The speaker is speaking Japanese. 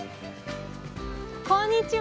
こんにちは！